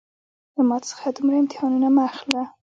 له ما څخه دومره امتحانونه مه اخله